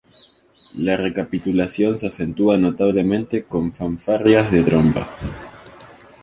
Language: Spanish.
La recapitulación se acentúa notablemente con fanfarrias de trompa.